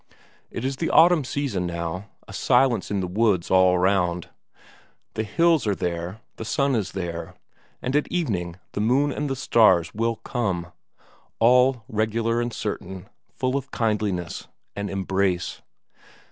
It is the autumn season now, a silence in the woods all round; the hills are there, the sun is there, and at evening the moon and the stars will come; all regular and certain, full of kindliness, an embrace.